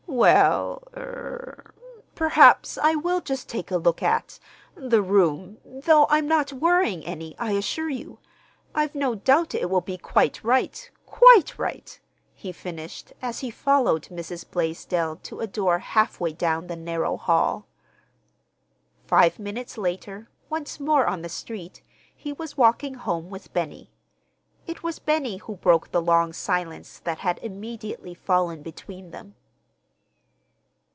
Well—er—perhaps I will just take a look at—the room, though I'm not worrying any, I assure you. I've no doubt it will be quite right, quite right," he finished, as he followed Mrs. Blaisdell to a door halfway down the narrow hall. Five minutes later, once more on the street, he was walking home with Benny. It was Benny who broke the long silence that had immediately fallen between them.